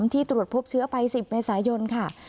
ที่ตรวจพบเชื้อไป๑๐เมษายนค่ะ